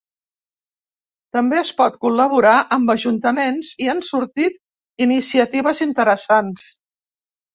També es pot col·laborar amb ajuntaments i han sortit iniciatives interessants.